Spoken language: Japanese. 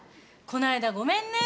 この間ごめんね。